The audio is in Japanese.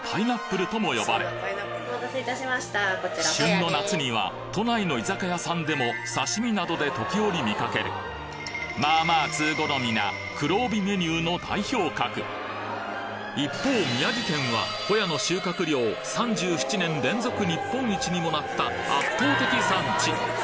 旬の夏には都内の居酒屋さんでも刺身などで時折見かけるまあまあ通好みな黒帯メニューの代表格一方宮城県はホヤの収穫量にもなった圧倒的産地！